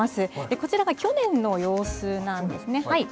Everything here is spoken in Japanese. こちらが去年の様子なんですね。